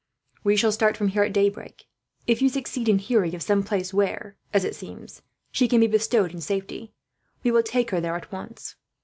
"We shall start from here at daybreak. If you succeed in hearing of some place where, as it seems, she can be bestowed in safety, we will take her there at once.